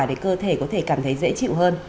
để cơ thể có thể cảm thấy dễ chịu hơn